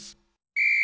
ピッ！